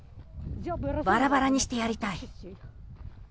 ばらばらにしてやりたい。